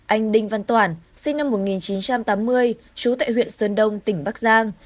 anh đinh văn toản sinh năm một nghìn chín trăm tám mươi trú tại huyện sơn đông tỉnh bắc giang